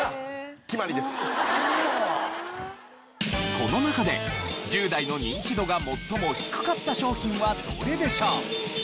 この中で１０代のニンチドが最も低かった商品はどれでしょう？